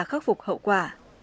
khắc phục hậu quả